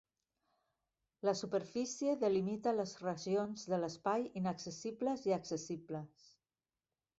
La superfície delimita les regions de l'espai inaccessibles i accessibles.